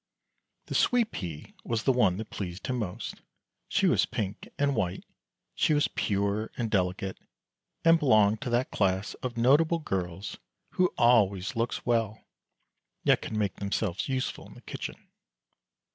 The sweet pea was the one that pleased him most; she was pink and white, she was pure and delicate, and belonged to that class of notable girls who always look well, yet can make themselves useful in the kitchen.